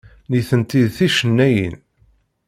Nitenti d ticennayin.